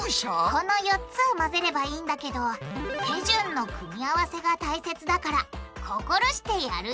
この４つを混ぜればいいんだけど「手順の組み合わせ」が大切だから心してやるように！